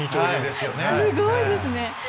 すごいですね！